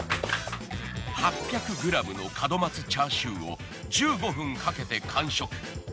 ８００ｇの門松チャーシューを１５分かけて完食。